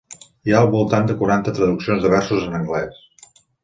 Hi ha al voltant de quaranta traduccions de versos en anglès.